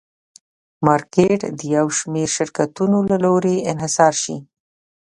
مارکېټ د یو شمېر شرکتونو له لوري انحصار شي.